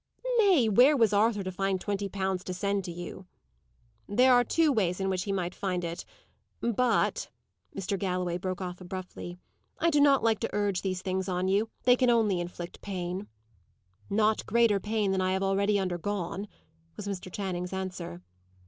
"Nay, where was Arthur to find twenty pounds to send to you?" "There are two ways in which he might find it. But" Mr. Galloway broke off abruptly "I do not like to urge these things on you; they can only inflict pain." "Not greater pain than I have already undergone," was Mr. Channing's answer.